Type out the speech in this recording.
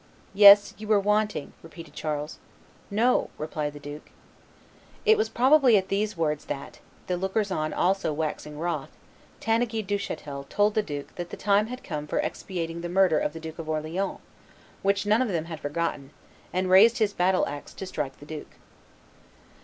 "Yes, you were wanting," repeated Charles. "No," replied the duke. It was probably at these words that, the lookers on also waxing wroth, Tanneguy Duchatel told the duke that the time had come for expiating the murder of the Duke of Orleans, which none of them had forgotten, and raised his battle axe to strike the duke.